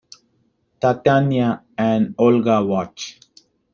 Tatyana and Olga watch.